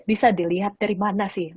bisa dilihat dari mana sih